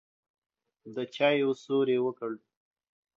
د چايو سور يې وکړ.